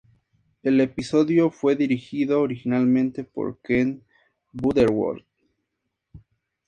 El episodio fue dirigido originalmente por Kent Butterworth.